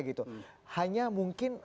gitu hanya mungkin